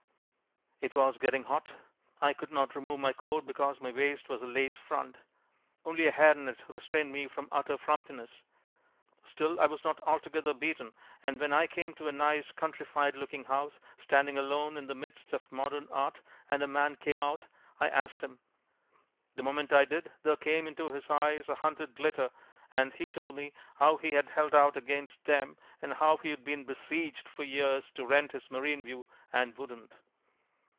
It was getting hot. I could not remove my coat because my waist was a lace front. Only a hair net restrained me from utter frumpiness. Still I was not altogether beaten and when I came to a nice countrified looking house standing alone in the midst of modern art and a man came out I asked him. The moment I did there came into his eyes a hunted glitter and he told me how he had held out against them and how he had been besieged for years to rent his marine view and wouldn't.